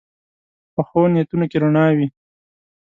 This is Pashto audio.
پخو نیتونو کې رڼا وي